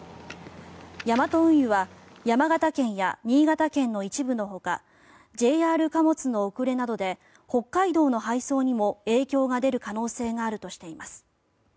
ヤマト運輸は山形県や新潟県の一部のほかＪＲ貨物の遅れなどで北海道の配送にも影響が出る可能性があるとしています。